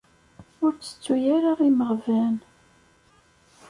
Ur ttettu ara imeɣban!